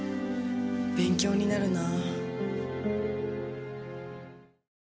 勉強になるなあ。